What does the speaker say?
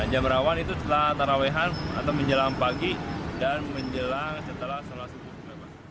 jam rawan itu setelah tarawehan atau menjelang pagi dan menjelang setelah sholat subuh